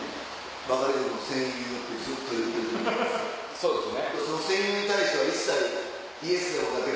そうですね。